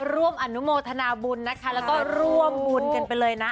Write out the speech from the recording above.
ร่วมอนุโมทนาบุญนะคะแล้วก็ร่วมบุญกันไปเลยนะ